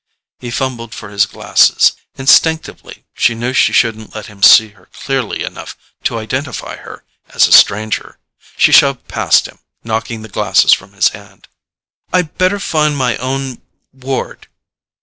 He fumbled for his glasses. Instinctively she knew she shouldn't let him see her clearly enough to identify her as a stranger. She shoved past him, knocking the glasses from his hand. "I'd better find my own ward."